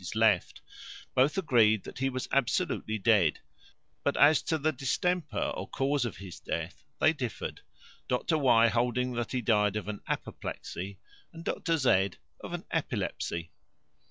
his left; both agreed that he was absolutely dead; but as to the distemper, or cause of his death, they differed; Dr Y. holding that he died of an apoplexy, and Dr Z. of an epilepsy.